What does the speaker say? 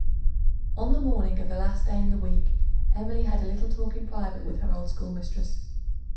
On the morning of the last day in the week, Emily had a little talk in private with her old schoolmistress.